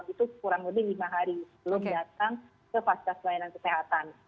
itu kurang lebih lima hari sebelum datang ke fasilitas pelayanan kesehatan